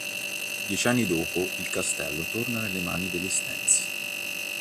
Dieci anni dopo il castello torna nelle mani degli Estensi.